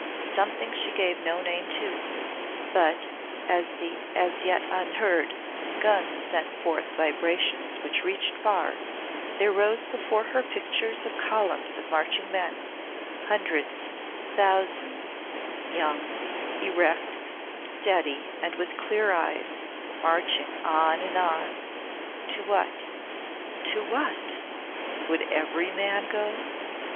Something she gave no name to. But as the, as yet unheard, guns sent forth vibrations which reached far, there rose before her pictures of columns of marching men hundreds, thousands, young, erect, steady and with clear eyes marching on and on to what to what? Would every man go?